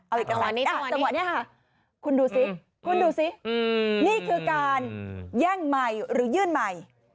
เอาเอกสารนิดจังหวะนี้ค่ะคุณดูสิคุณดูสินี่คือการแย่งใหม่หรือยื่นใหม่